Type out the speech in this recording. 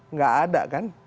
nggak ada kan